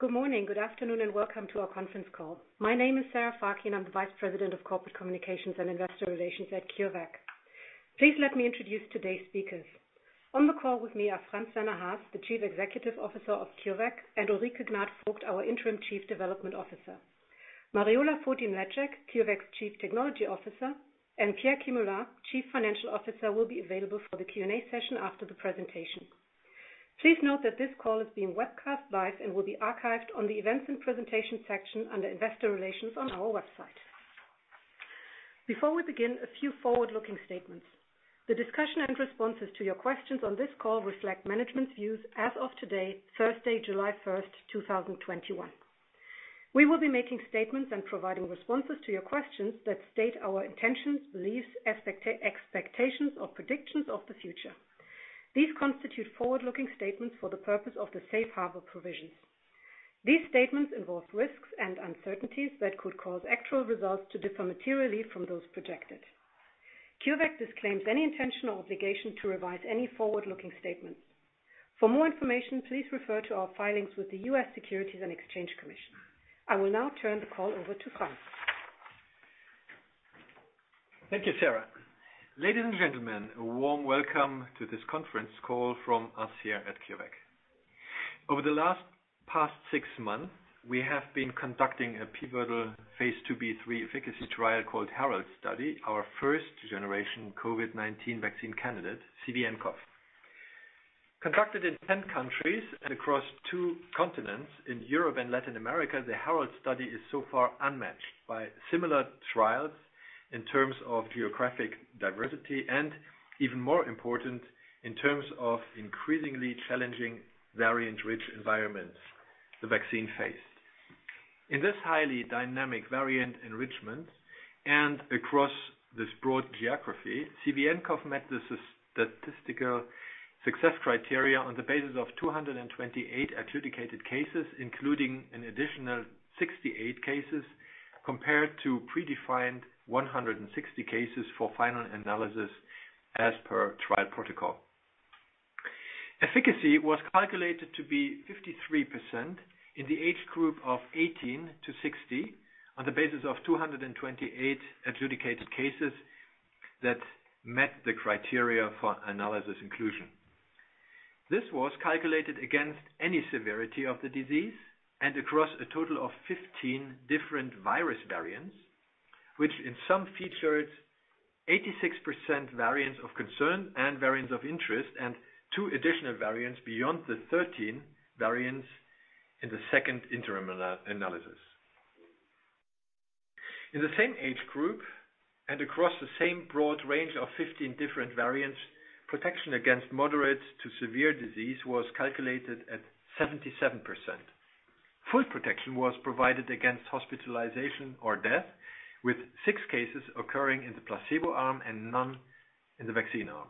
Good morning, good afternoon, and welcome to our conference call. My name is Sarah Fakih, I'm the Vice President of Corporate Communications and Investor Relations at CureVac. Please let me introduce today's speakers. On the call with me are Franz-Werner Haas, the Chief Executive Officer of CureVac, and Ulrike Gnad-Vogt, our Interim Chief Development Officer. Mariola Fotin-Mleczek, CureVac's Chief Technology Officer, and Pierre Kemula, Chief Financial Officer, will be available for the Q&A session after the presentation. Please note that this call is being webcast live and will be archived on the Events and Presentation section under Investor Relations on our website. Before we begin, a few forward-looking statements. The discussion and responses to your questions on this call reflect management's views as of today, Thursday, July 1st, 2021. We will be making statements and providing responses to your questions that state our intentions, beliefs, expectations, or predictions of the future. These constitute forward-looking statements for the purpose of the safe harbor provisions. These statements involve risks and uncertainties that could cause actual results to differ materially from those projected. CureVac disclaims any intention or obligation to revise any forward-looking statements. For more information, please refer to our filings with the US Securities and Exchange Commission. I will now turn the call over to Franz. Thank you, Sarah. Ladies and gentlemen, a warm welcome to this conference call from us here at CureVac. Over the last past six months, we have been conducting a pivotal phase II-B/III efficacy trial called HERALD study, our first-generation COVID-19 vaccine candidate, CVnCoV. Conducted in 10 countries and across two continents, in Europe and Latin America, the HERALD study is so far unmatched by similar trials in terms of geographic diversity and, even more important, in terms of increasingly challenging, variant-rich environments the vaccine faced. In this highly dynamic variant enrichment and across this broad geography, CVnCoV met the statistical success criteria on the basis of 228 adjudicated cases, including an additional 68 cases compared to predefined 160 cases for final analysis as per trial protocol. Efficacy was calculated to be 53% in the age group of 18-60 on the basis of 228 adjudicated cases that met the criteria for analysis inclusion. This was calculated against any severity of the disease and across a total of 15 different virus variants, which in some featured 86% variants of concern and variants of interest and two additional variants beyond the 13 variants in the second interim analysis. In the same age group and across the same broad range of 15 different variants, protection against moderate to severe disease was calculated at 77%. Full protection was provided against hospitalization or death, with six cases occurring in the placebo arm and none in the vaccine arm.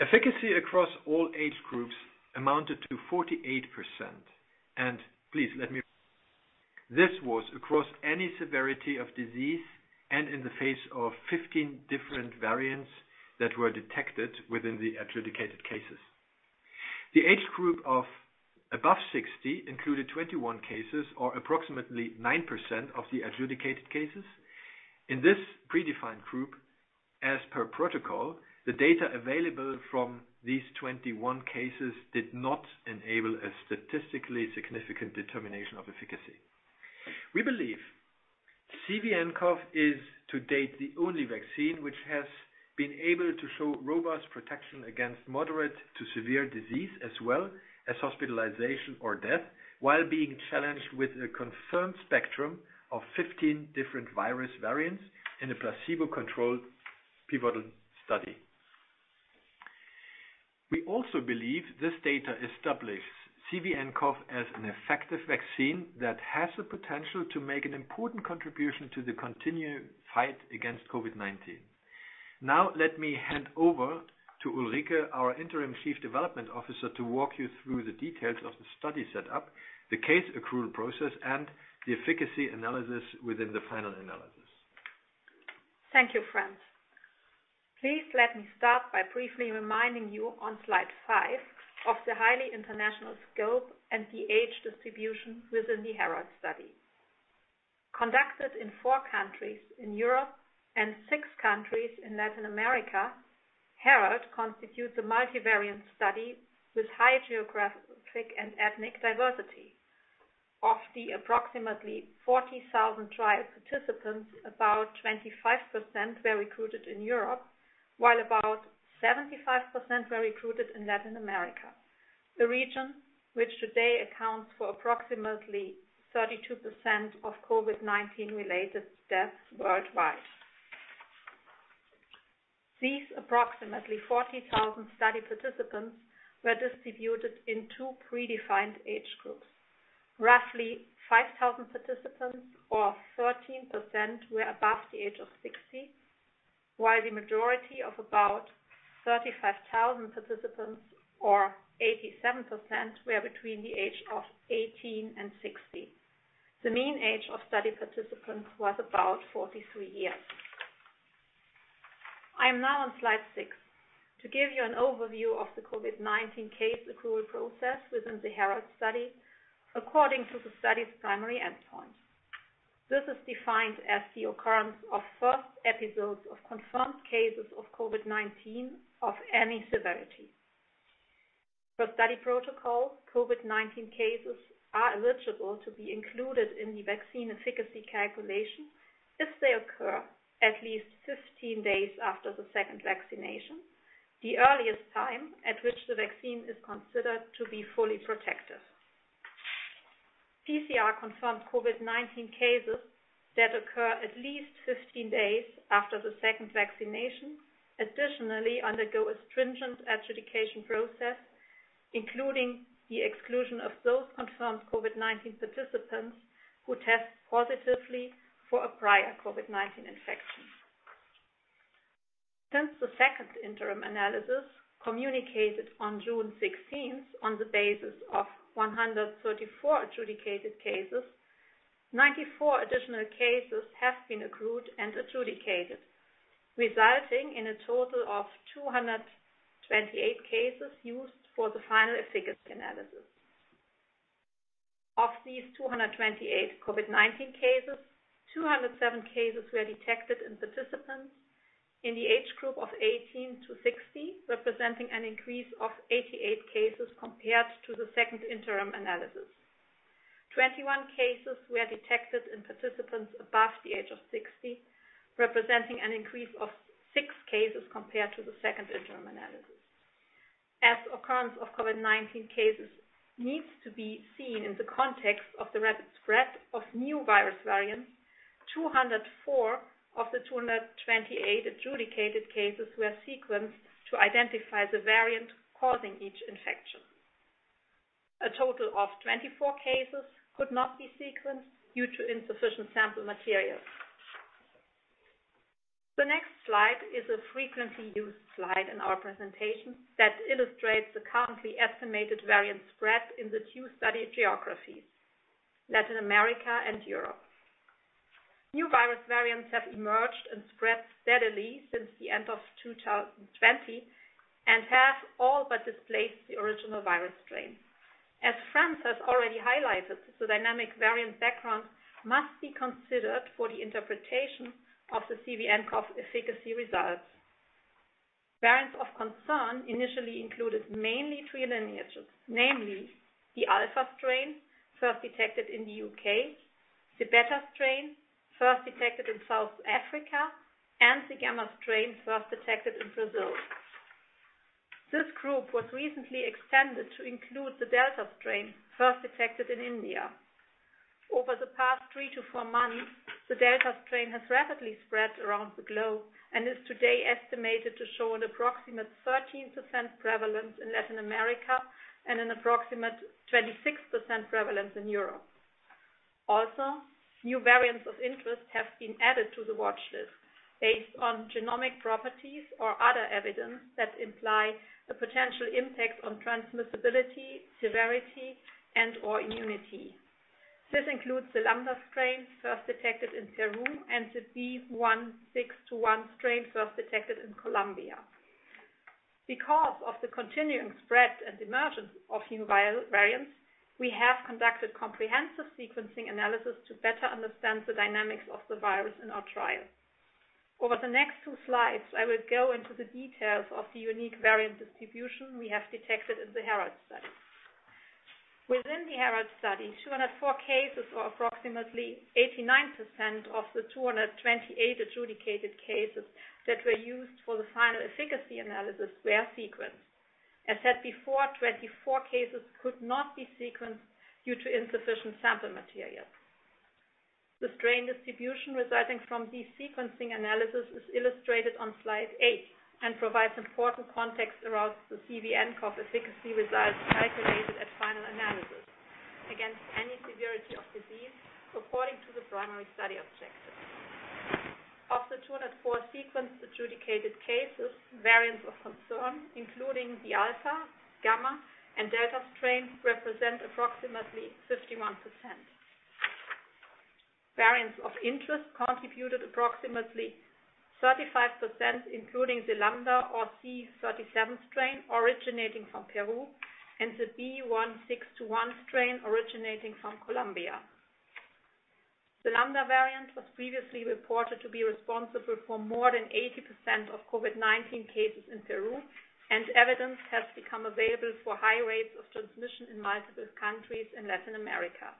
Efficacy across all age groups amounted to 48%. This was across any severity of disease and in the face of 15 different variants that were detected within the adjudicated cases. The age group of above 60 included 21 cases, or approximately 9% of the adjudicated cases. In this predefined group, as per protocol, the data available from these 21 cases did not enable a statistically significant determination of efficacy. We believe CVnCoV is, to date, the only vaccine which has been able to show robust protection against moderate to severe disease, as well as hospitalization or death, while being challenged with a confirmed spectrum of 15 different virus variants in a placebo-controlled pivotal study. We believe this data establishes CVnCoV as an effective vaccine that has the potential to make an important contribution to the continued fight against COVID-19. Now, let me hand over to Ulrike, our Interim Chief Development Officer, to walk you through the details of the study setup, the case accrual process, and the efficacy analysis within the final analysis. Thank you, Franz. Please let me start by briefly reminding you on slide five of the highly international scope and the age distribution within the HERALD study. Conducted in four countries in Europe and six countries in Latin America, HERALD constitutes a multivalent study with high geographic and ethnic diversity. Of the approximately 40,000 trial participants, about 25% were recruited in Europe, while about 75% were recruited in Latin America, the region which today accounts for approximately 32% of COVID-19 related deaths worldwide. These approximately 40,000 study participants were distributed in two predefined age groups. Roughly 5,000 participants or 13% were above the age of 60, while the majority of about 35,000 participants or 87% were between the age of 18 and 60. The mean age of study participants was about 43 years. I am now on slide six to give you an overview of the COVID-19 case accrual process within the HERALD study according to the study's primary endpoint. This is defined as the occurrence of first episodes of confirmed cases of COVID-19 of any severity. Per study protocol, COVID-19 cases are eligible to be included in the vaccine efficacy calculation if they occur at least 15 days after the second vaccination, the earliest time at which the vaccine is considered to be fully protective. PCR-confirmed COVID-19 cases that occur at least 15 days after the second vaccination additionally undergo a stringent adjudication process, including the exclusion of those confirmed COVID-19 participants who test positively for a prior COVID-19 infection. Since the second interim analysis communicated on June 16th on the basis of 134 adjudicated cases, 94 additional cases have been accrued and adjudicated, resulting in a total of 228 cases used for the final efficacy analysis. Of these 228 COVID-19 cases, 207 cases were detected in participants in the age group of 18 to 60, representing an increase of 88 cases compared to the second interim analysis. 21 cases were detected in participants above the age of 60, representing an increase of six cases compared to the second interim analysis. As occurrence of COVID-19 cases needs to be seen in the context of the rapid spread of new virus variants, 204 of the 228 adjudicated cases were sequenced to identify the variant causing each infection. A total of 24 cases could not be sequenced due to insufficient sample material. The next slide is a frequently used slide in our presentation that illustrates the currently estimated variant spread in the two study geographies, Latin America and Europe. New virus variants have emerged and spread steadily since the end of 2020 and have all but displaced the original virus strain. As Franz has already highlighted, the dynamic variant background must be considered for the interpretation of the CVnCoV efficacy results. Variants of concern initially included mainly three lineages, namely the Alpha strain first detected in the U.K., the Beta strain first detected in South Africa, and the Gamma strain first detected in Brazil. This group was recently extended to include the Delta strain first detected in India. Over the past three to four months, the Delta strain has rapidly spread around the globe and is today estimated to show an approximate 13% prevalence in Latin America and an approximate 26% prevalence in Europe. Also, new variants of interest have been added to the watchlist based on genomic properties or other evidence that imply a potential impact on transmissibility, severity, and/or immunity. This includes the Lambda strain first detected in Peru and the B.1.621 strain first detected in Colombia. Because of the continuing spread and emergence of new virus variants, we have conducted comprehensive sequencing analysis to better understand the dynamics of the virus in our trial. Over the next two slides, I will go into the details of the unique variant distribution we have detected in the HERALD study. Within the HERALD study, 204 cases, or approximately 89% of the 228 adjudicated cases that were used for the final efficacy analysis, were sequenced. As said before, 24 cases could not be sequenced due to insufficient sample material. The strain distribution resulting from these sequencing analysis is illustrated on slide eight and provides important context around the CVnCoV efficacy results calculated at final analysis against any severity of disease according to the primary study objective. Of the 204 sequenced adjudicated cases, variants of concern, including the Alpha, Gamma, and Delta strains, represent approximately 51%. Variants of interest contributed approximately 35%, including the Lambda or C.37 strain originating from Peru and the B.1.621 strain originating from Colombia. The Lambda variant was previously reported to be responsible for more than 80% of COVID-19 cases in Peru, and evidence has become available for high rates of transmission in multiple countries in Latin America.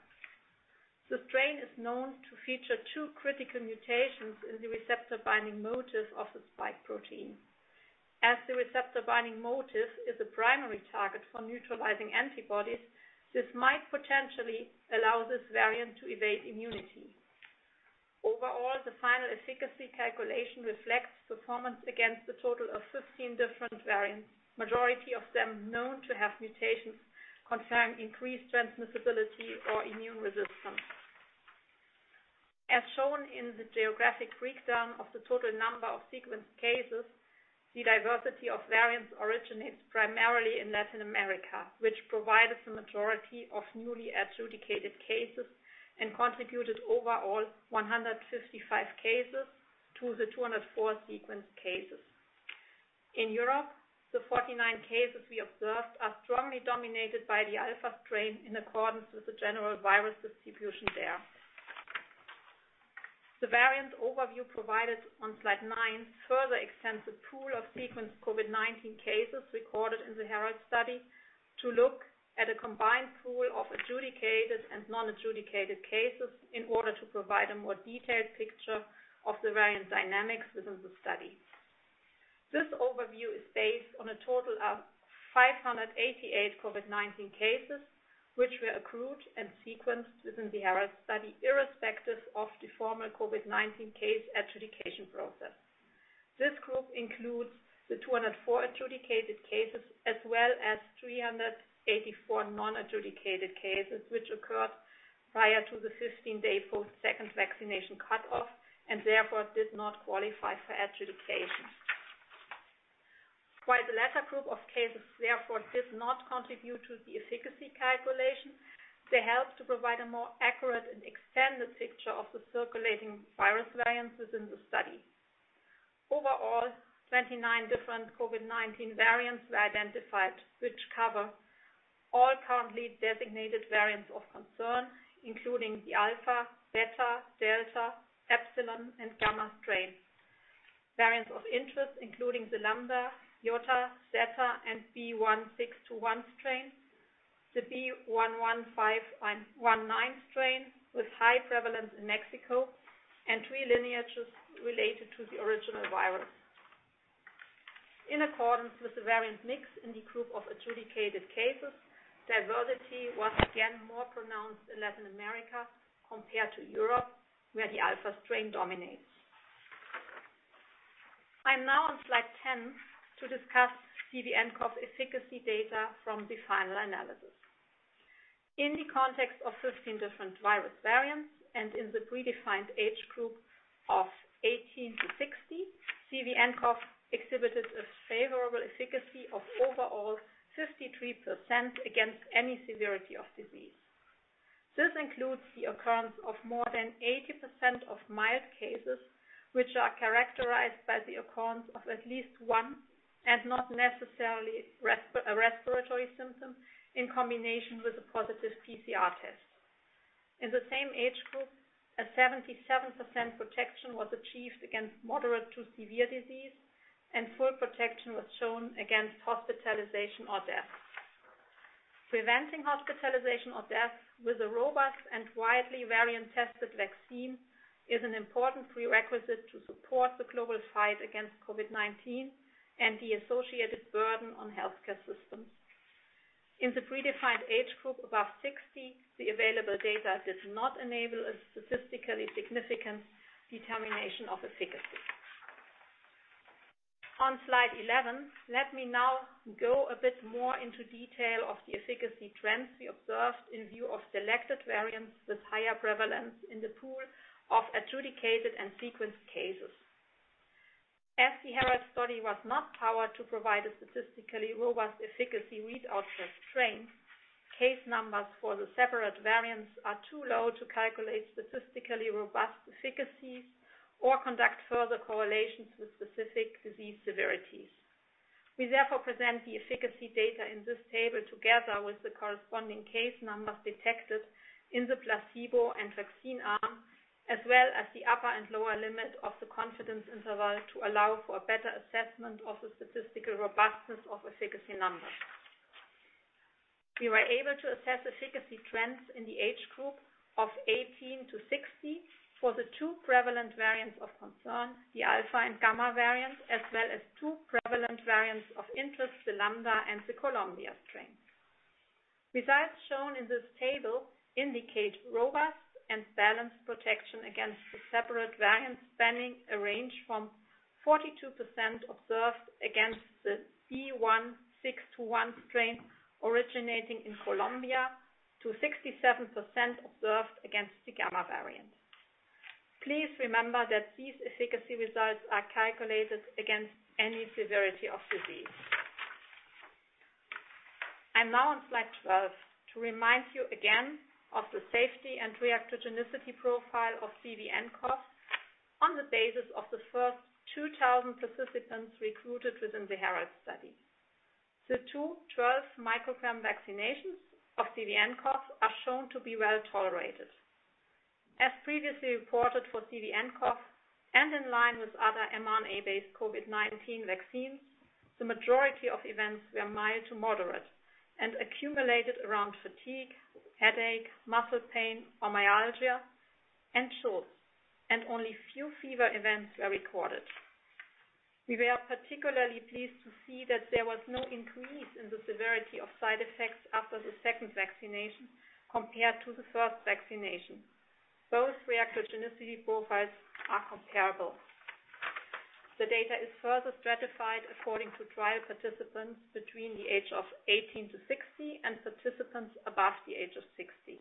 The strain is known to feature two critical mutations in the receptor-binding motif of the spike protein. As the receptor-binding motif is a primary target for neutralizing antibodies, this might potentially allow this variant to evade immunity. Overall, the final efficacy calculation reflects performance against a total of 15 different variants, majority of them known to have mutations concerning increased transmissibility or immune resistance. As shown in the geographic breakdown of the total number of sequenced cases, the diversity of variants originates primarily in Latin America, which provided the majority of newly adjudicated cases and contributed overall 155 cases to the 204 sequenced cases. In Europe, the 49 cases we observed are strongly dominated by the Alpha strain in accordance with the general virus distribution there. The variant overview provided on slide nine further extends the pool of sequenced COVID-19 cases recorded in the HERALD study to look at a combined pool of adjudicated and non-adjudicated cases in order to provide a more detailed picture of the variant dynamics within the study. This overview is based on a total of 588 COVID-19 cases, which were accrued and sequenced within the HERALD study, irrespective of the formal COVID-19 case adjudication process. This group includes the 204 adjudicated cases as well as 384 non-adjudicated cases which occurred prior to the 15-day post second vaccination cutoff, and therefore did not qualify for adjudication. While the latter group of cases therefore did not contribute to the efficacy calculation, they helped to provide a more accurate and extended picture of the circulating virus variants within the study. Overall, 29 different COVID-19 variants were identified, which cover all currently designated variants of concern, including the Alpha, Beta, Delta, Epsilon, and Gamma strains. Variants of interest including the Lambda, Iota, Zeta and B.1.621 strain, the B.1.1.519 strain with high prevalence in Mexico, and three lineages related to the original virus. In accordance with the variant mix in the group of adjudicated cases, diversity was again more pronounced in Latin America compared to Europe, where the Alpha strain dominates. I'm now on slide 10 to discuss CVnCoV efficacy data from the final analysis. In the context of 15 different virus variants and in the predefined age group of 18 to 60, CVnCoV exhibited a favorable efficacy of overall 53% against any severity of disease. This includes the occurrence of more than 80% of mild cases, which are characterized by the occurrence of at least one and not necessarily a respiratory symptom in combination with a positive PCR test. In the same age group, a 77% protection was achieved against moderate to severe disease, and full protection was shown against hospitalization or death. Preventing hospitalization or death with a robust and widely variant-tested vaccine is an important prerequisite to support the global fight against COVID-19 and the associated burden on healthcare systems. In the predefined age group above 60, the available data does not enable a statistically significant determination of efficacy. On slide 11, let me now go a bit more into detail of the efficacy trends we observed in view of selected variants with higher prevalence in the pool of adjudicated and sequenced cases. As the HERALD study was not powered to provide a statistically robust efficacy read out for strains, case numbers for the separate variants are too low to calculate statistically robust efficacies or conduct further correlations with specific disease severities. We therefore present the efficacy data in this table together with the corresponding case numbers detected in the placebo and vaccine arm, as well as the upper and lower limit of the confidence interval to allow for a better assessment of the statistical robustness of efficacy numbers. We were able to assess efficacy trends in the age group of 18-60 for the two prevalent variants of concern, the Alpha and Gamma variants, as well as two prevalent variants of interest, the Lambda and the Colombia strain. Results shown in this table indicate robust and balanced protection against the separate variants spanning a range from 42% observed against the B.1.621 strain originating in Colombia, to 67% observed against the Gamma variant. Please remember that these efficacy results are calculated against any severity of disease. I'm now on slide 12 to remind you again of the safety and reactogenicity profile of CVnCoV on the basis of the first 2,000 participants recruited within the HERALD study. The two 12 µg vaccinations of CVnCoV are shown to be well-tolerated. As previously reported for CVnCoV and in line with other mRNA-based COVID-19 vaccines, the majority of events were mild to moderate and accumulated around fatigue, headache, muscle pain or myalgia, and chills, and only few fever events were recorded. We were particularly pleased to see that there was no increase in the severity of side effects after the second vaccination compared to the first vaccination. Both reactogenicity profiles are comparable. The data is further stratified according to trial participants between the age of 18-60 and participants above the age of 60.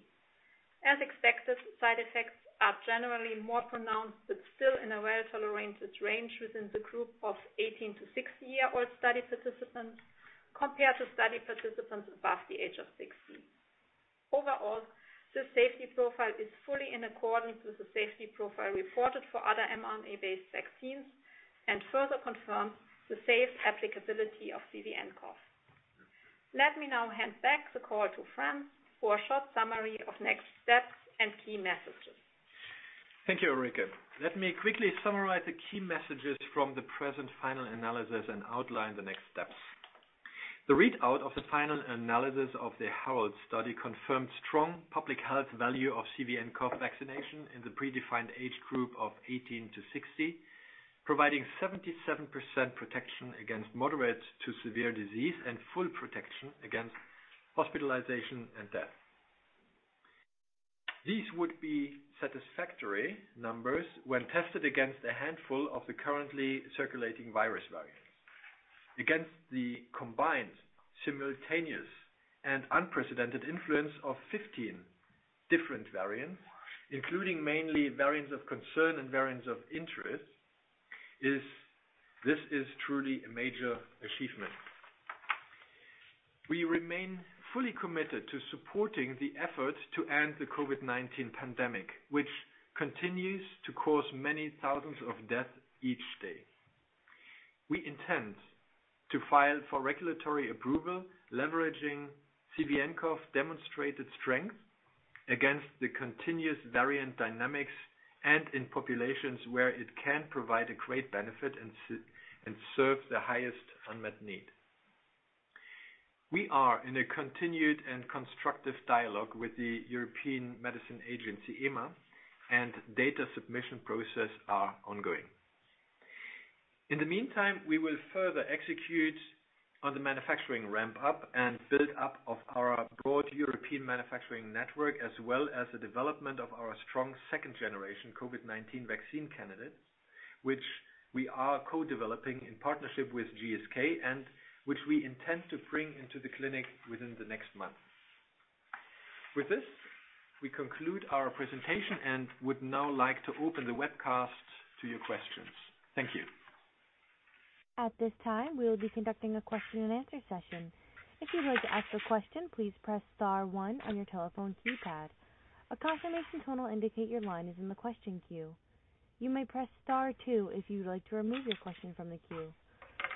As expected, side effects are generally more pronounced, but still in a well-tolerated range within the group of 18-60-year-old study participants compared to study participants above the age of 60. Overall, this safety profile is fully in accordance with the safety profile reported for other mRNA-based vaccines and further confirms the safe applicability of CVnCoV. Let me now hand back the call to Franz for a short summary of next steps and key messages. Thank you, Ulrike. Let me quickly summarize the key messages from the present final analysis and outline the next steps. The readout of the final analysis of the HERALD study confirmed strong public health value of CVnCoV vaccination in the predefined age group of 18 to 60, providing 77% protection against moderate to severe disease and full protection against hospitalization and death. These would be satisfactory numbers when tested against a handful of the currently circulating virus variants. Against the combined, simultaneous, and unprecedented influence of 15 different variants, including mainly variants of concern and variants of interest, this is truly a major achievement. We remain fully committed to supporting the effort to end the COVID-19 pandemic, which continues to cause many thousands of deaths each day. We intend to file for regulatory approval, leveraging CVnCoV demonstrated strength against the continuous variant dynamics and in populations where it can provide a great benefit and serve the highest unmet need. We are in a continued and constructive dialogue with the European Medicines Agency, EMA, and data submission process are ongoing. In the meantime, we will further execute on the manufacturing ramp-up and build-up of our broad European manufacturing network, as well as the development of our strong second-generation COVID-19 vaccine candidate, which we are co-developing in partnership with GSK and which we intend to bring into the clinic within the next month. With this, we conclude our presentation and would now like to open the webcast to your questions. Thank you. At this time, we will be conducting a question and answer session. If you would like to ask a question, please press star one on your telephone keypad. A confirmation tone will indicate your line is in the question queue. You may press star two if you would like to remove your question from the queue.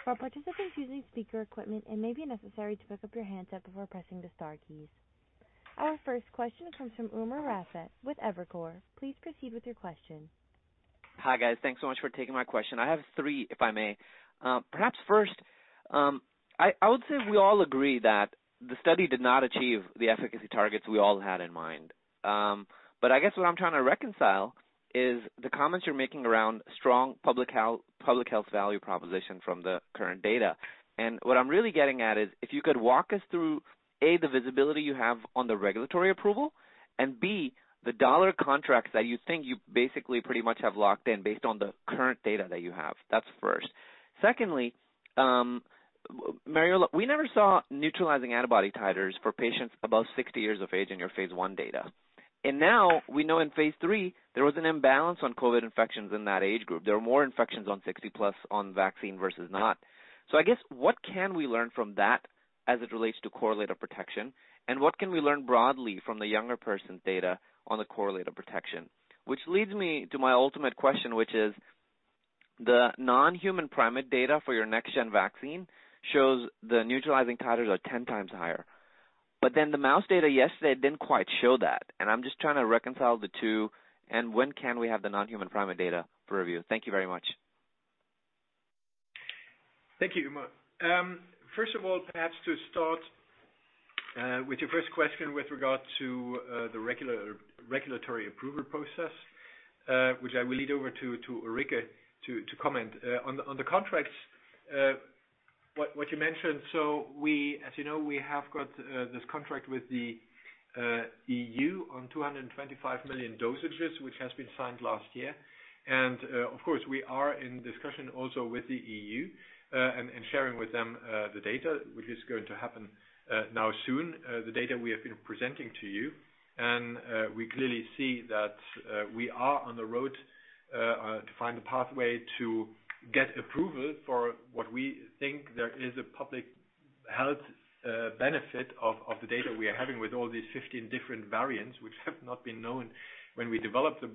For participants using speaker equipment, it may be necessary to pick up your handset before pressing the star key Our first question comes from Umer Raffat with Evercore. Please proceed with your question. Hi, guys. Thanks so much for taking my question. I have three, if I may. Perhaps first, I would say we all agree that the study did not achieve the efficacy targets we all had in mind. I guess what I'm trying to reconcile is the comments you're making around strong public health value proposition from the current data. What I'm really getting at is if you could walk us through, A, the visibility you have on the regulatory approval, and B, the dollar contracts that you think you basically pretty much have locked in based on the current data that you have. That's first. Secondly, Mariola, we never saw neutralizing antibody titers for patients above 60 years of age in your phase I data. Now we know in phase III, there was an imbalance on COVID infections in that age group. There were more infections on 60+ on vaccine versus not. I guess what can we learn from that as it relates to correlate of protection, and what can we learn broadly from the younger person's data on the correlate of protection? Which leads me to my ultimate question, which is, the non-human primate data for your next gen vaccine shows the neutralizing titers are 10 times higher. The mouse data yesterday didn't quite show that, and I'm just trying to reconcile the two and when can we have the non-human primate data for review? Thank you very much. Thank you, Umer. First of all, perhaps to start with your first question with regard to the regulatory approval process, which I will lead over to Ulrike to comment. On the contracts, what you mentioned, as you know, we have got this contract with the EU on 225 million dosages, which has been signed last year. Of course, we are in discussion also with the EU, and sharing with them the data, which is going to happen now soon, the data we have been presenting to you. We clearly see that we are on the road to find a pathway to get approval for what we think there is a public health benefit of the data we are having with all these 15 different variants, which have not been known when we developed the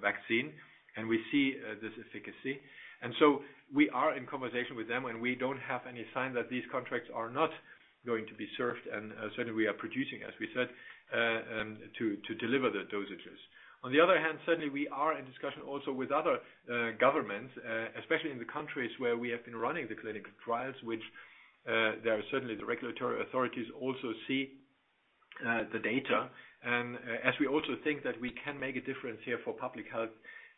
vaccine, and we see this efficacy. We are in conversation with them, and we don't have any sign that these contracts are not going to be served, and certainly, we are producing, as we said, to deliver the dosages. On the other hand, certainly, we are in discussion also with other governments, especially in the countries where we have been running the clinical trials, which there certainly the regulatory authorities also see the data. As we also think that we can make a difference here for public health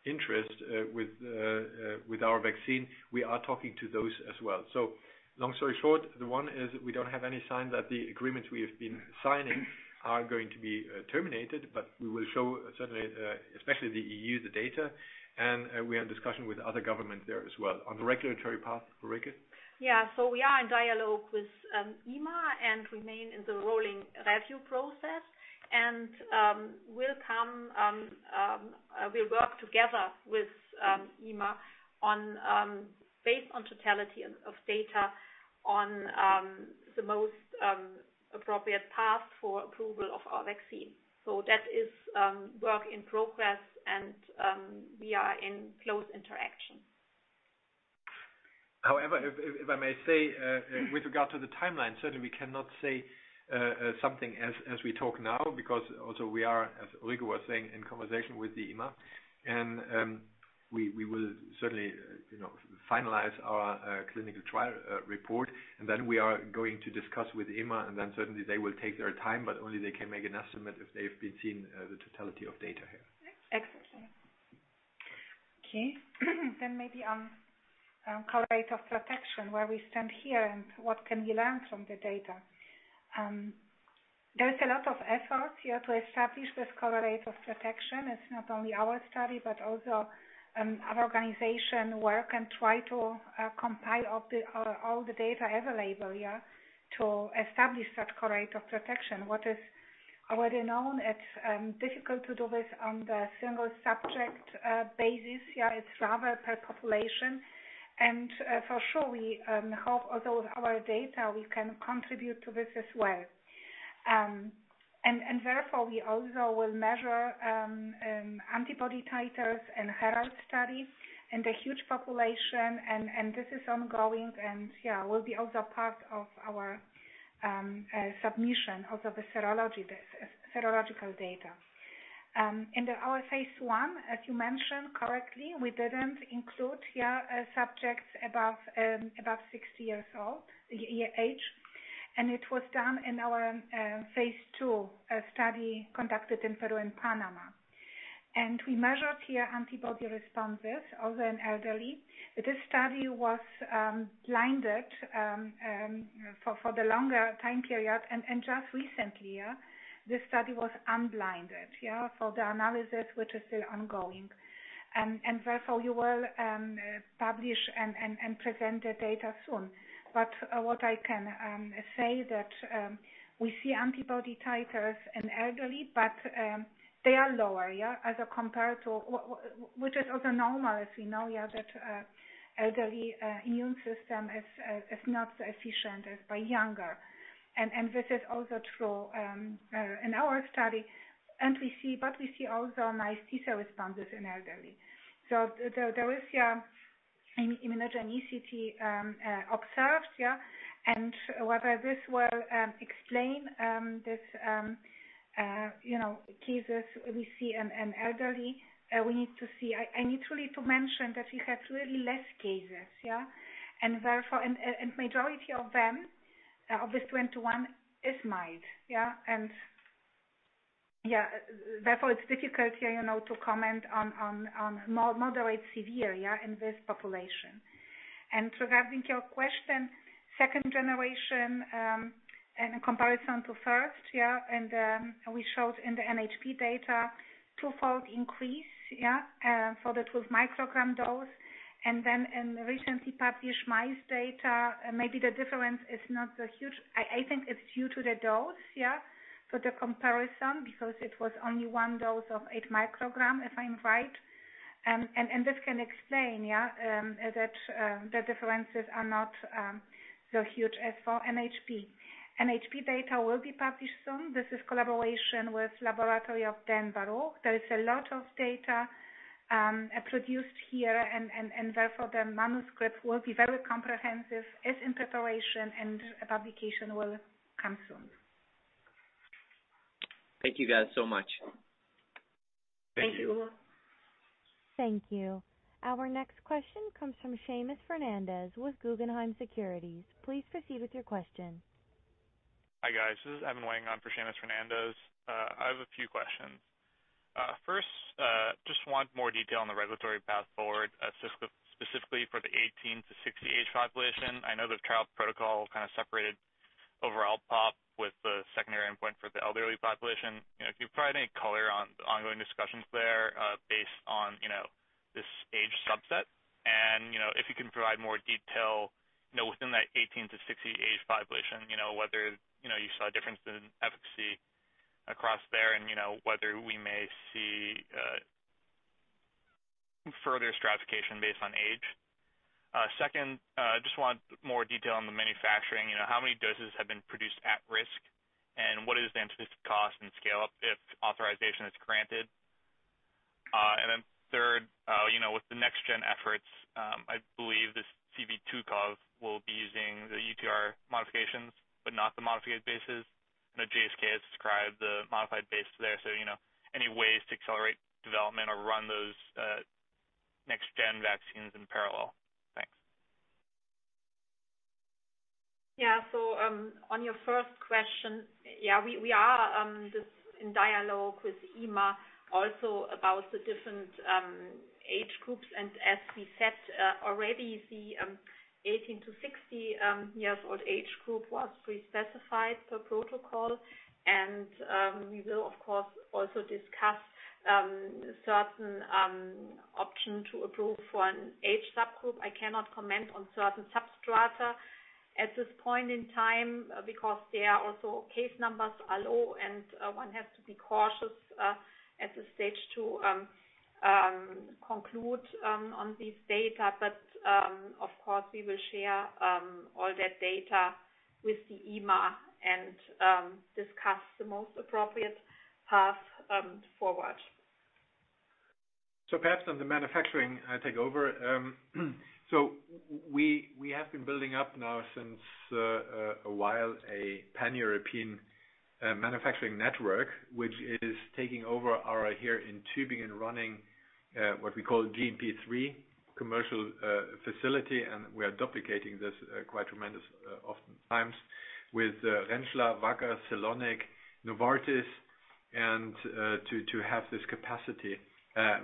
interest with our vaccine, we are talking to those as well. Long story short, the one is we don't have any sign that the agreements we have been signing are going to be terminated, but we will show certainly, especially the EU, the data, and we are in discussion with other governments there as well. On the regulatory path, Ulrike? Yeah. We are in dialogue. With EMA and remain in the rolling review process. We'll work together with EMA based on totality of data on the most appropriate path for approval of our vaccine. That is work in progress, and we are in close interaction. If I may say, with regard to the timeline, certainly we cannot say something as we talk now, because also we are, as Ulrike was saying, in conversation with the EMA, and we will certainly finalize our clinical trial report, and then we are going to discuss with EMA, and then certainly they will take their time, but only they can make an estimate if they've seen the totality of data here. Exactly. Okay. Maybe on correlate of protection, where we stand here and what can be learned from the data? There is a lot of efforts here to establish this correlate of protection. It's not only our study, but also an organization work and try to compile all the data available, yeah, to establish that correlate of protection. What is already known, it's difficult to do this on the single-subject basis. It's rather per population. For sure, we hope with all our data, we can contribute to this as well. Therefore, we also will measure antibody titers in HERALD study in the huge population, and this is ongoing, and yeah, will be also part of our submission, also the serological data. In our phase I, as you mentioned correctly, we didn't include subjects above 60 years old, the age, it was done in our phase II study conducted in Panama. We measured here antibody responses, also in elderly, this study was blinded for the longer time period, just recently, this study was unblinded for the analysis, which is still ongoing. Therefore, we will publish and present the data soon. What I can say that we see antibody titers in elderly, but they are lower as compared to, which is also normal, as we know, that elderly immune system is not as efficient as by younger. This is also true in our study. We see also nice T-cell responses in elderly. There is immunogenicity observed. Whether this will explain these cases we see in elderly, we need to see. I need to mention that we had really less cases. Therefore, majority of them, of the 21, is mild. Therefore, it's difficult to comment on moderate severe in this population. Getting to your question, second-generation in comparison to first, we showed in the NHP data 2-fold increase. That was microgram dose. In recently published mice data, maybe the difference is not so huge. I think it's due to the dose for the comparison, because it was only 1 dose of 8 µg, if I'm right. This can explain that the differences are not so huge as for NHP. NHP data will be published soon. This is collaboration with laboratory of Dan Barouch. There's a lot of data produced here, therefore the manuscript will be very comprehensive, is in preparation, publication will come soon. Thank you guys so much. Thank you. Thank you Thank you. Our next question comes from Seamus Fernandez with Guggenheim Securities. Please proceed with your question. Hi, guys. This is Evan Wang on for Seamus Fernandez. I have a few questions. First, just want more detail on the regulatory path forward, specifically for the 18-60 age population. I know the trial protocol kind of separated overall pop with the secondary endpoint for the elderly population. Can you provide any color on ongoing discussions there based on this age subset? If you can provide more detail within that 18-60 age population, whether you saw a difference in efficacy across there and whether we may see further stratification based on age. Second, just want more detail on the manufacturing. How many doses have been produced at risk, and what is the anticipated cost and scale-up if authorization is granted? Third, with the next-gen efforts, I believe this CV2CoV will be using the UTR modifications but not the modified bases. I know GSK has described the modified bases there, so any ways to accelerate development or run those next-gen vaccines in parallel? Thanks. Yeah. On your first question. We are in dialogue with EMA also about the different age groups. As we said already, the 18-60 years old age group was pre-specified for protocol, and we will, of course, also discuss certain option to approve for an age subgroup. I cannot comment on certain substrata. At this point in time, because also case numbers are low and one has to be cautious at this stage to conclude on these data. Of course, we will share all that data with the EMA and discuss the most appropriate path forward. Perhaps on the manufacturing, I take over. We have been building up now since a while, a pan-European manufacturing network, which is taking over our, here in Tübingen, running what we call GMP3 commercial facility, and we are duplicating this quite tremendous often times with Rentschler, Wacker, Celonic, Novartis, and to have this capacity.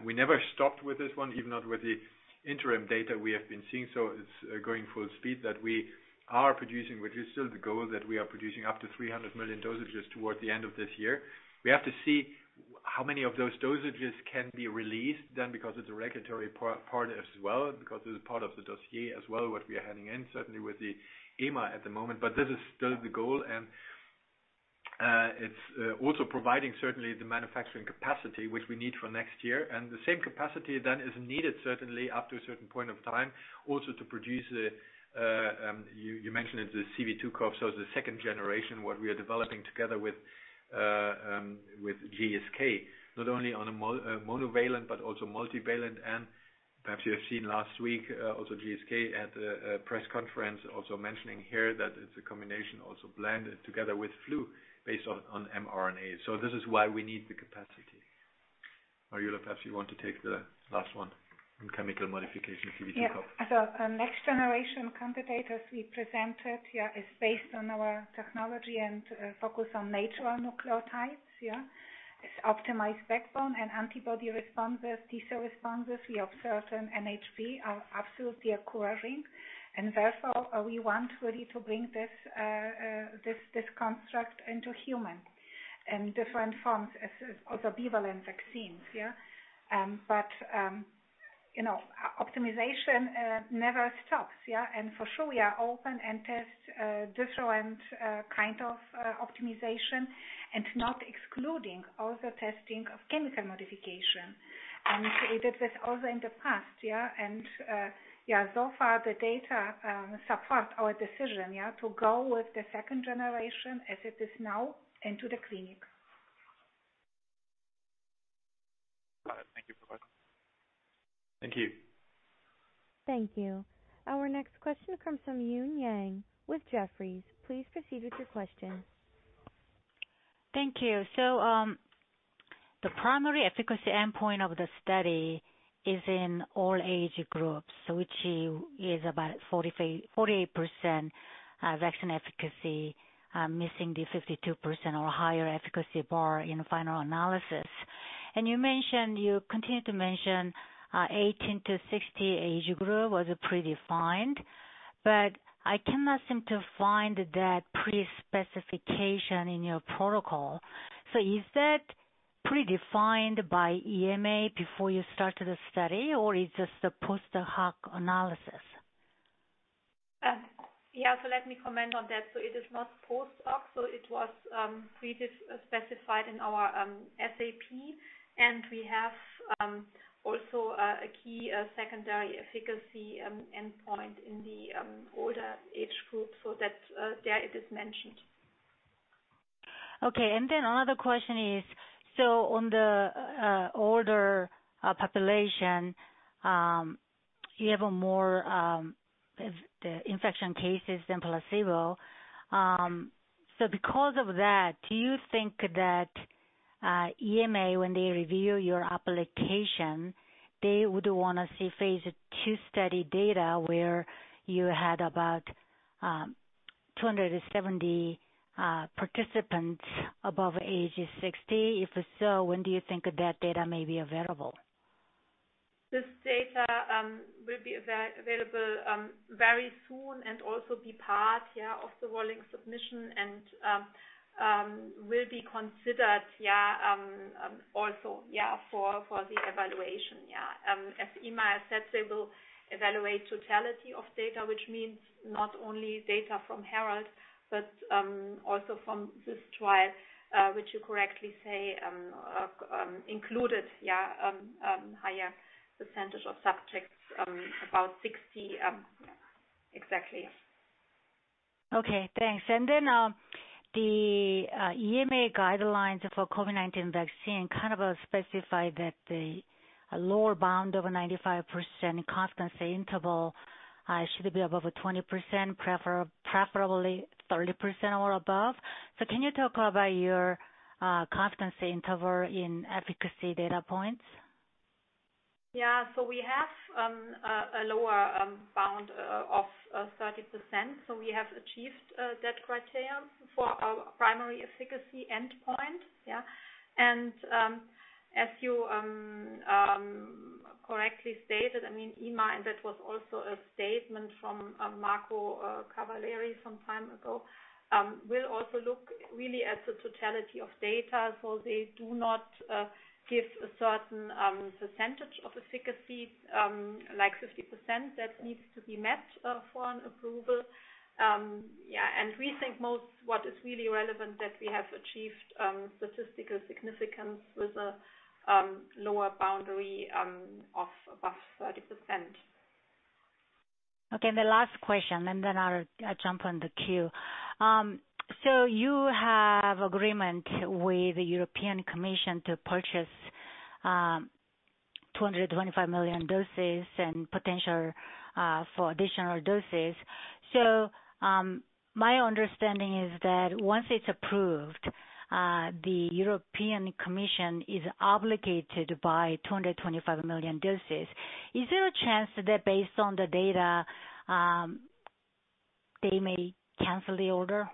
We never stopped with this one, even not with the interim data we have been seeing. It's going full speed that we are producing, which is still the goal, that we are producing up to 300 million dosages towards the end of this year. We have to see how many of those dosages can be released then because it's a regulatory part as well, because this is part of the dossier as well, what we are handing in, certainly with the EMA at the moment. This is still the goal, and it's also providing certainly the manufacturing capacity which we need for next year. The same capacity then is needed, certainly up to a certain point of time, also to produce, you mentioned it, the CV2CoV. It's the second generation, what we are developing together with GSK, not only on a monovalent but also multivalent. Perhaps you have seen last week, also GSK at a press conference also mentioning here that it's a combination also blended together with flu based on mRNA. This is why we need the capacity. Mariola, perhaps you want to take the last one on chemical modification CV2CoV. Yeah. Next generation candidates we presented here is based on our technology and focus on natural nucleotides. It's optimized backbone and antibody responses, T-cell responses we observed in NHP are absolutely occurring. Therefore, we want really to bring this construct into human in different forms as also bivalent vaccines. Optimization never stops. For sure, we are open and test different kind of optimization and not excluding also testing of chemical modification. We did this also in the past. So far the data support our decision to go with the second generation as it is now into the clinic. Got it. Thank you for both. Thank you. Thank you. Our next question comes from Eun Yang with Jefferies. Please proceed with your question. Thank you. The primary efficacy endpoint of the study is in all age groups, which is about 48% vaccine efficacy, missing the 52% or higher efficacy bar in final analysis. You continue to mention 18-60 age group was predefined, but I cannot seem to find that pre-specification in your protocol. Is that predefined by EMA before you started the study, or is this a post hoc analysis? Yeah. Let me comment on that. It is not post hoc. It was pre-specified in our SAP, and we have also a key secondary efficacy endpoint in the older age group. There it is mentioned. Okay. Another question is, on the older population, you have more the infection cases than placebo. Because of that, do you think that EMA, when they review your application, they would want to see phase II study data where you had about 270 participants above age 60? If so, when do you think that data may be available? This data will be available very soon and also be part of the rolling submission and will be considered also for the evaluation. As EMA has said, they will evaluate totality of data, which means not only data from HERALD but also from this trial, which you correctly say included higher percentage of subjects, about 60 exactly. Okay, thanks. The EMA guidelines for COVID-19 vaccine kind of specify that the lower bound of 95% confidence interval should be above 20%, preferably 30% or above. Can you talk about your confidence interval in efficacy data points? We have a lower bound of 30%. We have achieved that criteria for our primary efficacy endpoint. As you correctly stated, EMA, and that was also a statement from Marco Cavaleri some time ago, will also look really at the totality of data. They do not give a certain percentage of efficacy, like 50%, that needs to be met for an approval. We think most what is really relevant that we have achieved statistical significance with a lower boundary of above 30%. Okay, the last question. I'll jump on the queue. You have agreement with the European Commission to purchase 225 million doses and potential for additional doses. My understanding is that once it's approved, the European Commission is obligated to buy 225 million doses. Is there a chance that based on the data, they may cancel the order?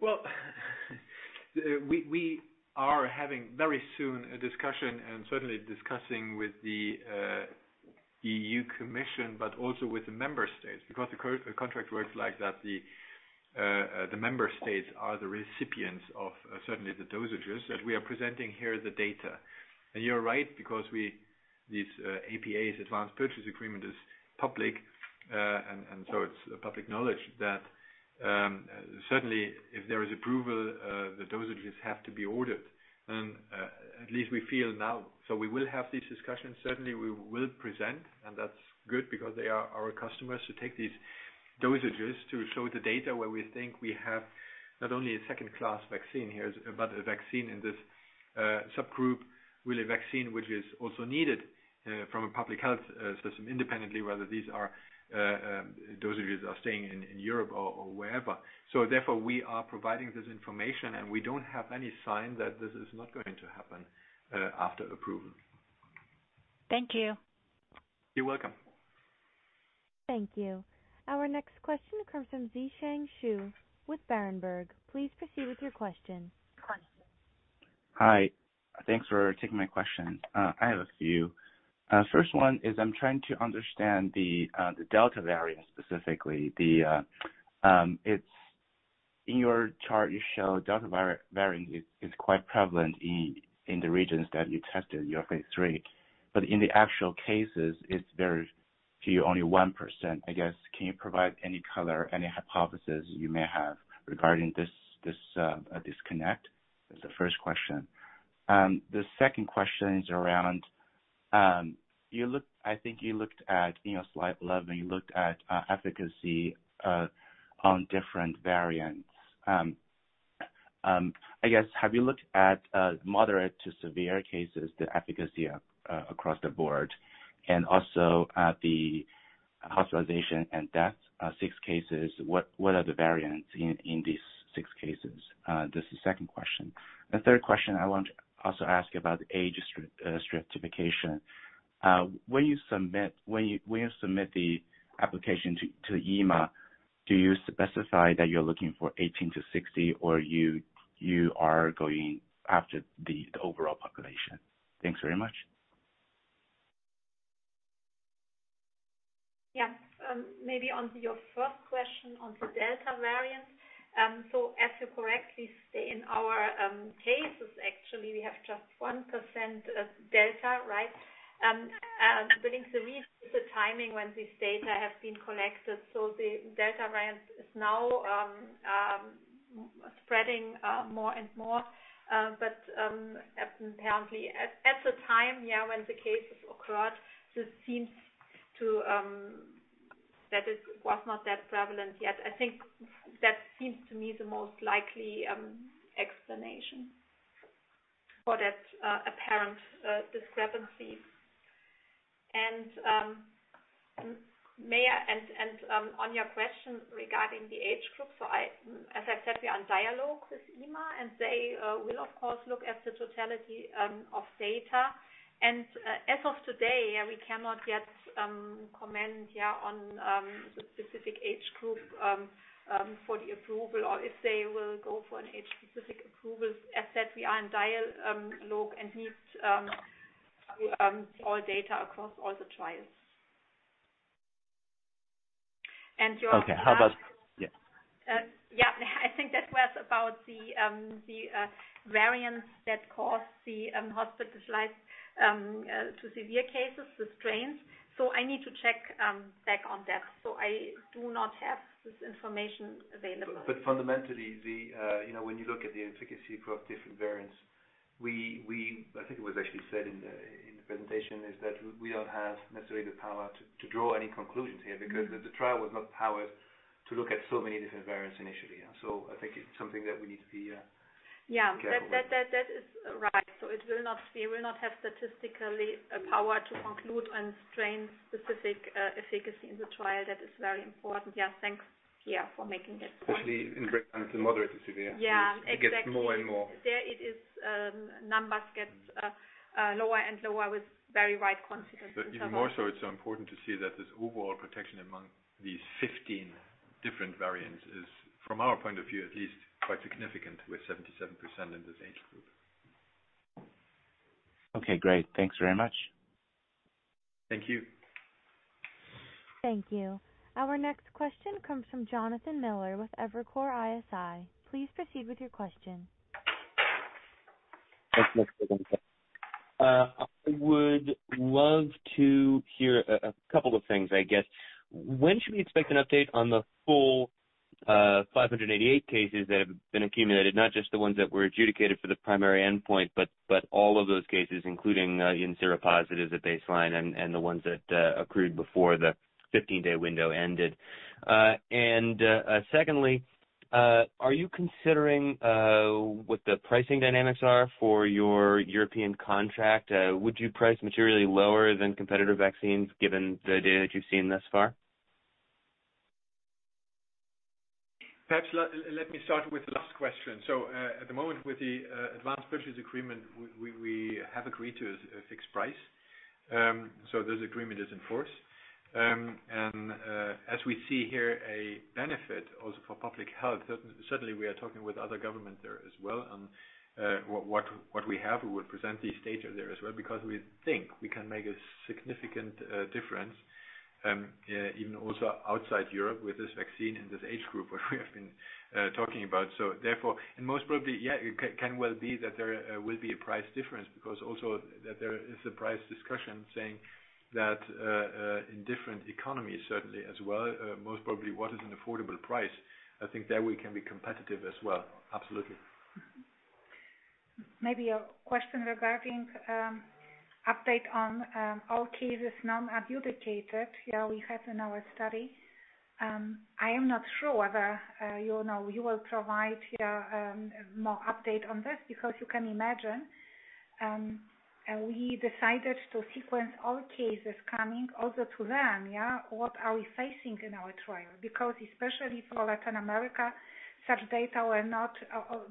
Well we are having very soon a discussion and certainly discussing with the European Commission, but also with the member states, because the contract works like that, the member states are the recipients of certainly the dosages that we are presenting here the data. You're right, because this APA, Advance Purchase Agreement, is public. It's public knowledge that, certainly if there is approval, the dosages have to be ordered, at least we feel now. We will have these discussions. Certainly, we will present, and that's good because they are our customers, to take these dosages to show the data where we think we have not only a second-class vaccine here, but a vaccine in this subgroup, really vaccine which is also needed from a public health system, independently, whether these dosages are staying in Europe or wherever. Therefore, we are providing this information, and we don't have any sign that this is not going to happen after approval. Thank you. You're welcome. Thank you. Our next question comes from Zhiqiang Shu with Berenberg. Please proceed with your question. Hi. Thanks for taking my questions. I have a few. First one is I'm trying to understand the Delta variant, specifically. In your chart, you show Delta variant is quite prevalent in the regions that you tested your phase III. In the actual cases, it's very few, only 1%. Can you provide any color, any hypothesis you may have regarding this disconnect? That's the first question. The second question is around, I think you looked at slide 11, you looked at efficacy on different variants. Have you looked at moderate to severe cases, the efficacy across the board, and also the hospitalization and death, six cases? What are the variants in these six cases? That's the second question. The third question I want to also ask about age stratification. When you submit the application to EMA, do you specify that you're looking for 18-60, or you are going after the overall population? Thanks very much. Yeah. Maybe on your first question on the Delta variant. As you correctly state, in our cases, actually, we have just 1% Delta, right? I think we need the timing when this data has been collected. The Delta variant is now spreading more and more. Apparently at the time when the cases occurred, this seems that it was not that prevalent yet. I think that seems, to me, the most likely explanation for that apparent discrepancy. On your question regarding the age group, so as I said, we are in dialogue with EMA, and they will, of course, look at the totality of data. As of today, we cannot yet comment on the specific age group for the approval or if they will go for an age-specific approval. As said, we are in dialogue and need to see all data across all the trials. And your- Okay. How about yeah. Yeah. I think that was about the variants that caused the hospitalized to severe cases, the strains. I need to check back on that. I do not have this information available. Fundamentally, when you look at the efficacy across different variants, I think it was actually said in the presentation, is that we don't have necessarily the power to draw any conclusions here because the trial was not powered to look at so many different variants initially. I think it's something that we need to be careful with. Yeah. That is right. We will not have statistically a power to conclude on strain-specific efficacy in the trial. That is very important. Yeah, thanks, Pierre, for making that point. Especially in regard to moderate to severe. Yeah, exactly. It gets more and more. The numbers get lower and lower with very wide confidence intervals. Even more so, it is so important to see that this overall protection among these 15 different variants is, from our point of view at least, quite significant with 77% in this age group. Okay, great. Thanks very much. Thank you. Thank you. Our next question comes from Jonathan Miller with Evercore ISI. Please proceed with your question. Thanks so much for the answer. I would love to hear a couple of things, I guess. When should we expect an update on the full 588 cases that have been accumulated, not just the ones that were adjudicated for the primary endpoint, but all of those cases, including in seropositives at baseline and the ones that accrued before the 15-day window ended? Secondly, are you considering what the pricing dynamics are for your European contract? Would you price materially lower than competitor vaccines given the data that you've seen thus far? Perhaps let me start with the last question. At the moment, with the Advance Purchase Agreement, we have agreed to a fixed price. This agreement is in force. As we see here, a benefit also for public health, certainly, we are talking with other governments there as well on what we have. We will present these data there as well because we think we can make a significant difference, even also outside Europe with this vaccine in this age group, what we have been talking about. Therefore, and most probably, yeah, it can well be that there will be a price difference because also that there is a price discussion saying that, in different economies, certainly as well, most probably, what is an affordable price? I think there we can be competitive as well. Absolutely. Maybe a question regarding update on all cases non-adjudicated here we had in our study. I am not sure whether you will provide here more update on this because you can imagine, we decided to sequence all cases coming also to learn what are we facing in our trial. Especially for Latin America, such data were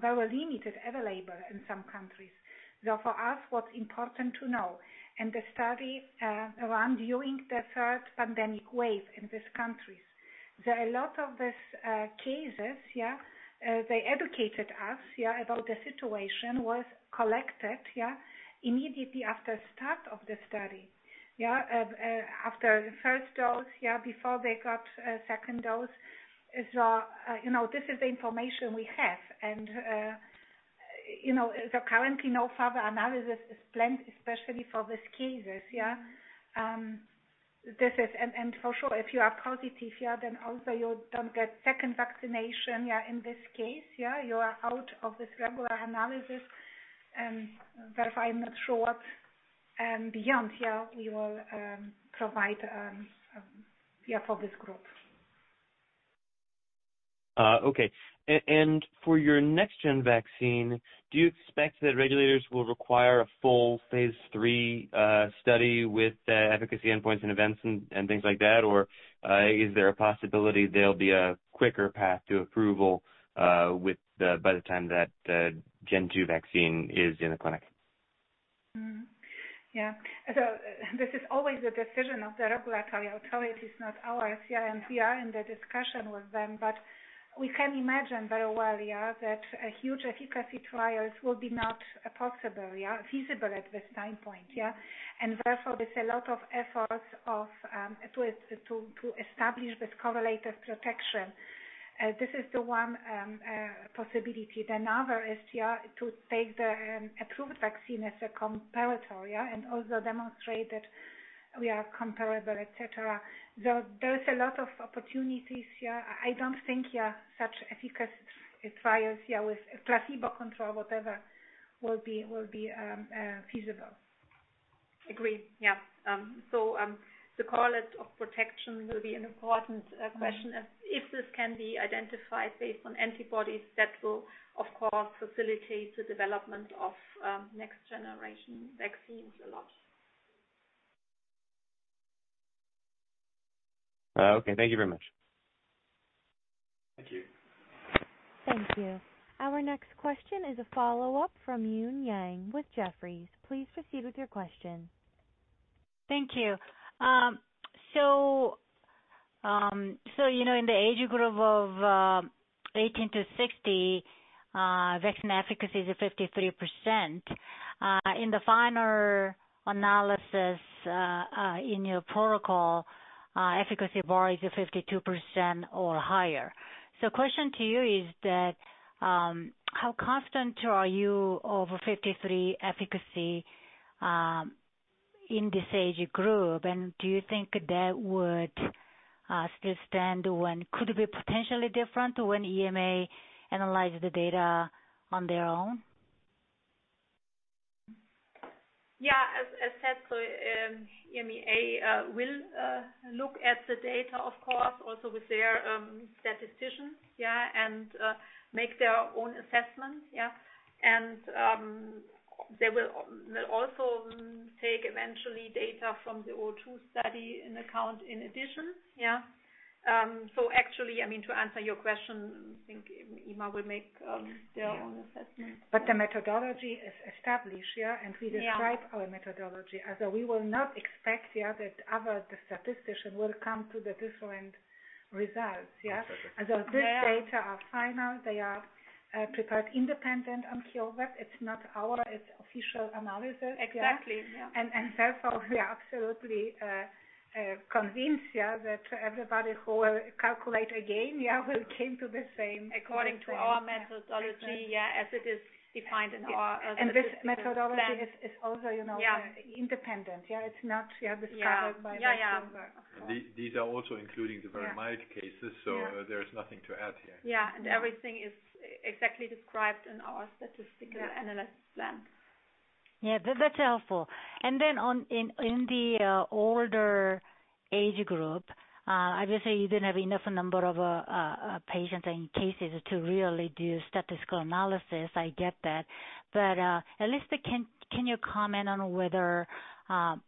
very limited available in some countries. For us, what's important to know, and the study run during the third pandemic wave in these countries. There are a lot of these cases, they data collected about the situation was collected immediately after start of the study. After first dose, before they got second dose. This is the information we have. Currently, no further analysis is planned, especially for these cases. For sure, if you are positive, yeah, then also you don't get second vaccination, yeah, in this case. Yeah, you are out of this regular analysis. Therefore, I'm not sure what beyond, yeah, we will provide, yeah, for this group. Okay. For your next-gen vaccine, do you expect that regulators will require a full phase III study with efficacy endpoints and events and things like that? Is there a possibility there'll be a quicker path to approval by the time that Gen 2 vaccine is in the clinic? Yeah. This is always the decision of the regulatory authorities, not ours. We are in the discussion with them, but we can imagine very well that a huge efficacy trials will be not possible, feasible at this time point. Therefore, there's a lot of efforts to establish this correlate of protection. This is the one possibility. The another is to take the approved vaccine as a comparator and also demonstrate that we are comparable, et cetera. There is a lot of opportunities. I don't think such efficacy trials with placebo control, whatever, will be feasible. Agree. Yeah. Correlate of protection will be an important question. If this can be identified based on antibodies, that will, of course, facilitate the development of next-generation vaccines a lot. Okay. Thank you very much. Thank you. Thank you. Our next question is a follow-up from Eun Yang with Jefferies. Please proceed with your question. Thank you. In the age group of 18-60, vaccine efficacy is 53%. In the final analysis in your protocol, efficacy bar is 52% or higher. Question to you is that, how confident are you of 53 efficacy in this age group, and do you think that would still stand when could it be potentially different when EMA analyze the data on their own? As said, EMA will look at the data, of course, also with their statistician and make their own assessment. They will also take, eventually, data from the CVnCoV-002 study into account in addition. Actually, to answer your question, I think EMA will make their own assessment. The methodology is established, yeah? Yeah. We describe our methodology. We will not expect the other statistician will come to the different results. Okay. This data are final. They are prepared independent on CureVac. It's official analysis. Exactly, yeah. Therefore, we are absolutely convinced that everybody who will calculate again will come to the same thing. According to our methodology, yeah, as it is defined in our plan. This methodology is also independent. It's not discovered by CureVac. Yeah. These are also including the very mild cases. There's nothing to add here. Yeah. Everything is exactly described in our statistical analysis plan. Yeah. That's helpful. In the older age group, obviously, you didn't have enough number of patients and cases to really do statistical analysis. I get that. At least can you comment on whether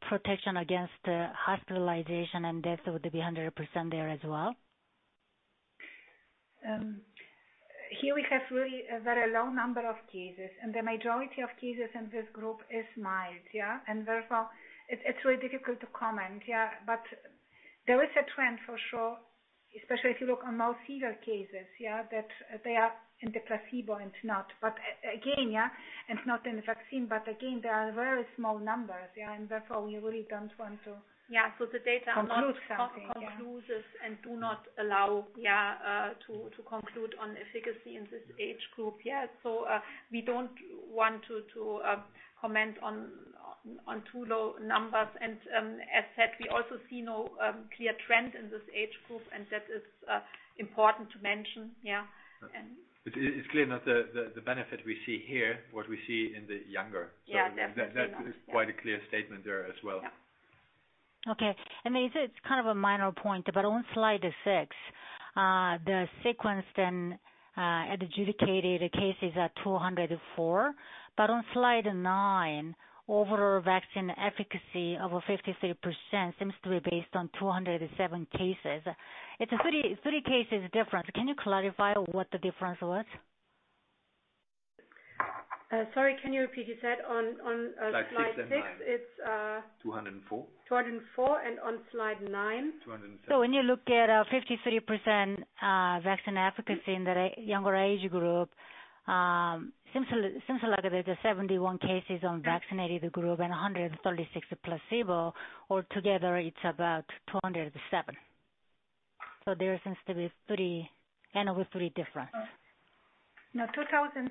protection against hospitalization and death, would it be 100% there as well? Here we have really a very low number of cases, and the majority of cases in this group is mild. Yeah. Therefore, it's really difficult to comment. There is a trend for sure, especially if you look on more severe cases, yeah, that they are in the placebo and not. Again, it's not in vaccine, but again, there are very small numbers. Therefore, we really don't want to conclude something. The data are not conclusive and do not allow to conclude on efficacy in this age group yet. We don't want to comment on too low numbers. As said, we also see no clear trend in this age group, and that is important to mention. It's clear now the benefit we see here, what we see in the younger. Yeah, definitely. That is quite a clear statement there as well. Yeah. Okay. It's kind of a minor point, but on slide six, the sequenced and adjudicated cases are 204. On slide nine, overall vaccine efficacy of 53% seems to be based on 207 cases. It's a three cases difference. Can you clarify what the difference was? Sorry, can you repeat? You said on slide six it's- 204. 204. On slide 9? 207. When you look at 53% vaccine efficacy in the younger age group, seems like there's 71 cases on vaccinated group and 136 placebo. Altogether, it's about 207. There seems to be notably different. No, 207,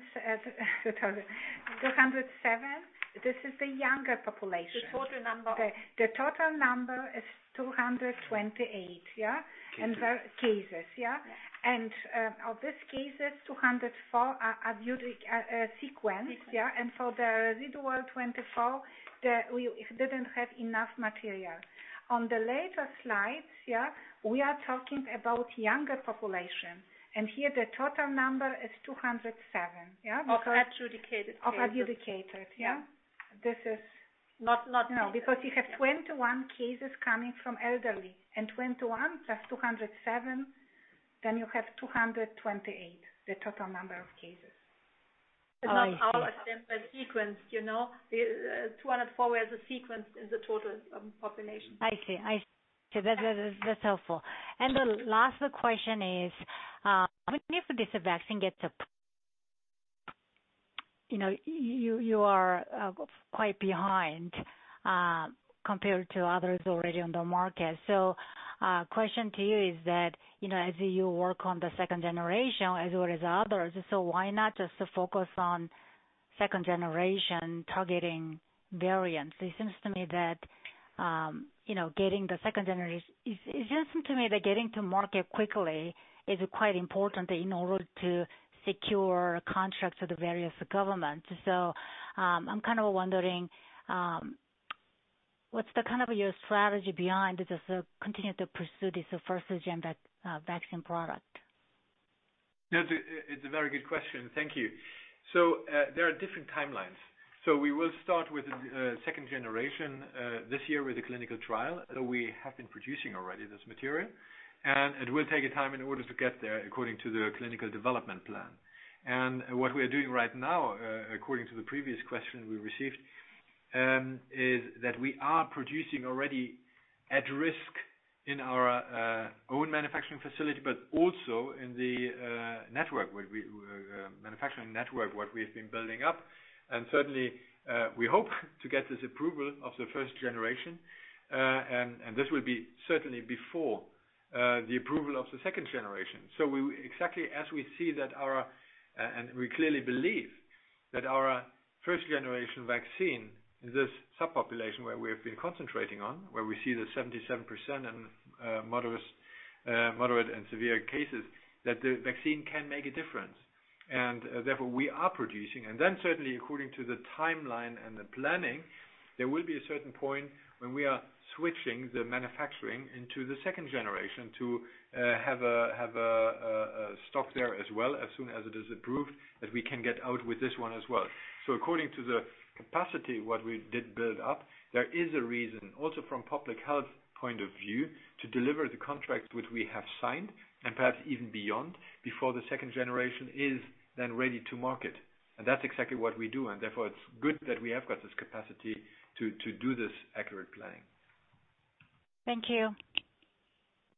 this is the younger population. The total number is 228. Yeah. Cases. Cases. Yeah. Of this cases, 204 are sequenced. Sequenced. For the residual 24, we didn't have enough material. On the later slides, we are talking about younger population. Here the total number is 207. Of adjudicated cases. Of adjudicated cases. Yeah. You have 21 cases coming from elderly and 21 plus 207, then you have 228, the total number of cases. It's not our sample sequenced. 204 were the sequenced in the total population. I see. That's helpful. The last question is, even if this vaccine uncertain. You are quite behind compared to others already on the market. Question to you is that as you work on the second generation as well as others, so why not just focus on second generation targeting variants? It seems to me that getting to market quickly is quite important in order to secure contracts with the various governments. I'm kind of wondering, what's your strategy behind just continue to pursue this first gen vaccine product? It's a very good question, thank you. There are different timelines. We will start with second generation this year with the clinical trial. We have been producing already this material, and it will take time in order to get there according to the clinical development plan. What we are doing right now, according to the previous question we received, is that we are producing already at risk in our own manufacturing facility but also in the network, manufacturing network, what we've been building up. Certainly, we hope to get this approval of the first generation. This will be certainly before the approval of the second generation. Exactly as we see and we clearly believe that our first-generation vaccine in this subpopulation where we have been concentrating on, where we see the 77% in moderate and severe cases, that the vaccine can make a difference. Therefore, we are producing. Certainly according to the timeline and the planning, there will be a certain point when we are switching the manufacturing into the second generation. Stop there as well as soon as it is approved, that we can get out with this one as well. According to the capacity, what we did build up, there is a reason also from public health point of view, to deliver the contract which we have signed and perhaps even beyond, before the second generation is then ready to market. That's exactly what we do, and therefore it's good that we have got this capacity to do this accurate planning. Thank you.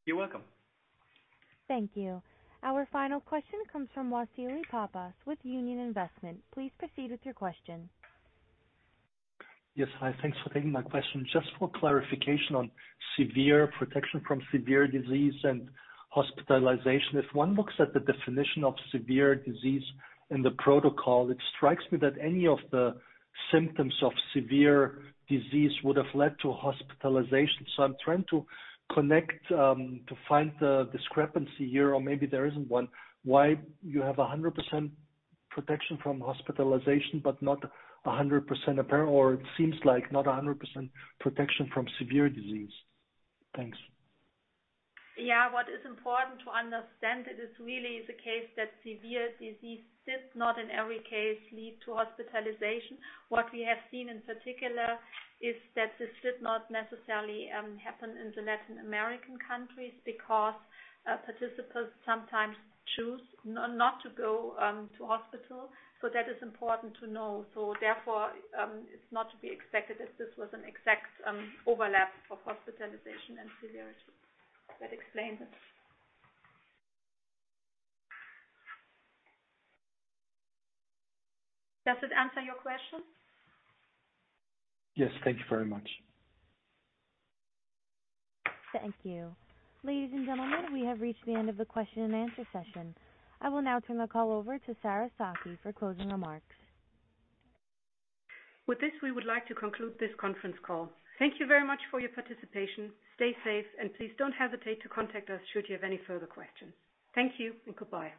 You're welcome. Thank you. Our final question comes from Wassili Papas with Union Investment. Please proceed with your question. Yes. Hi. Thanks for taking my question. Just for clarification on severe protection from severe disease and hospitalization. If one looks at the definition of severe disease in the protocol, it strikes me that any of the symptoms of severe disease would have led to hospitalization. I'm trying to connect, to find the discrepancy here or maybe there isn't one, why you have 100% protection from hospitalization but not 100% apparently, or it seems like not 100% protection from severe disease. Thanks. Yeah, what is important to understand it is really the case that severe disease did not in every case lead to hospitalization. What we have seen in particular is that this should not necessarily happen in the Latin American countries because participants sometimes choose not to go to hospital. That is important to know. Therefore, it's not to be expected that this was an exact overlap for hospitalization and severity. Does that explain it? Does that answer your question? Yes. Thank you very much. Thank you. Ladies and gentlemen, we have reached the end of the question and answer session. I will now turn the call over to Sarah Fakih for closing remarks. With this, we would like to conclude this conference call. Thank you very much for your participation. Stay safe and please don't hesitate to contact us should you have any further questions. Thank you and goodbye.